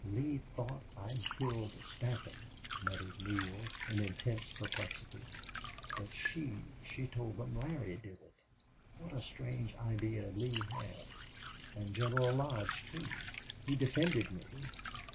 "Lee thought I'd killed Stanton," muttered Neale, in intense perplexity. "But she she told them Larry did it.... What a strange idea Lee had and General Lodge, too. He defended me....